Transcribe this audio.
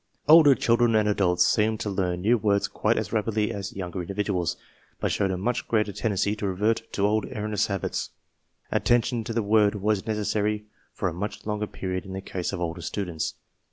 Older children and adults seemed to learn new words quite as rapidly as younger individuals, but showed a much greater tendency to revert to old erro neous habits. Attention to the word was necessary for a much longer period in the case of older students.